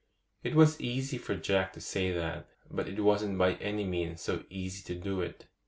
It was easy for Jack to say that, but it wasn't by any means so easy to do it.